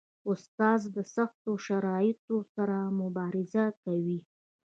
استاد د سختو شرایطو سره مبارزه کوي.